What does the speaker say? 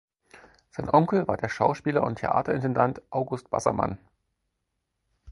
Sein Onkel war der Schauspieler und Theaterintendant August Bassermann.